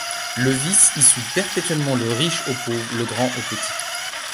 Le vice y soude perpétuellement le riche au pauvre, le grand au petit.